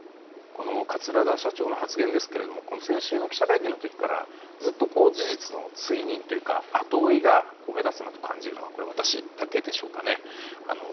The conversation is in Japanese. この桂田社長の発言ですけれど先週の記者会見の時からずっと、事実の追認というか後追いが目立つなと感じるのは私だけでしょうかね。